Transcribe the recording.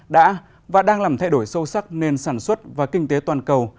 đã và đang làm thay đổi sâu sắc nền sản xuất và kinh tế toàn cầu